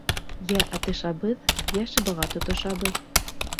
Йә атышабыҙ, йә шыбаға тотошабыҙ.